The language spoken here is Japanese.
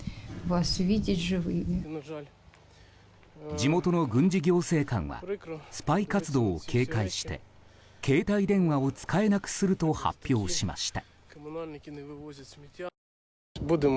地元の軍事行政官はスパイ活動を警戒して携帯電話を使えなくすると発表しました。